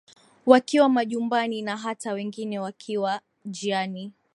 wakiwa majumbani na hata wengine wakiwa jiani